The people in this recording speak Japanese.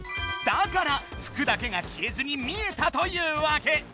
だから服だけが消えずに見えたというわけ！